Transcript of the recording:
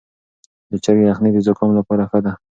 د چرګ یخني د زکام لپاره ښه ده.